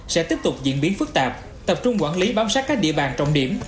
sẽ tiếp tục diễn biến phức tạp tập trung quản lý bám sát các địa bàn trọng điểm